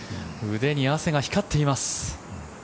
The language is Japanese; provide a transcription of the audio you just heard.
腕に汗が光っています。